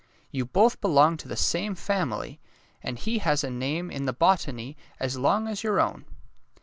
You both belong to the same family, and he has a name in the botany as long as your own.